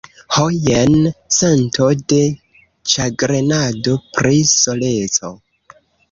Ho, jen sento de ĉagrenado pri soleco.